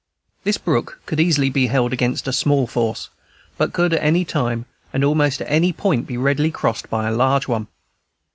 This brook could easily be held against a small force, but could at any time and at almost any point be readily crossed by a large one.